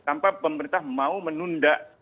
tanpa pemerintah mau menunda